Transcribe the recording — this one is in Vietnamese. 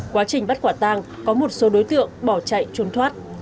quá trình bắt quả tang có một số đối tượng bỏ chạy trốn thoát